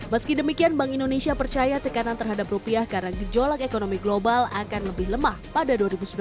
meski demikian bank indonesia percaya tekanan terhadap rupiah karena gejolak ekonomi global akan lebih lemah pada dua ribu sembilan belas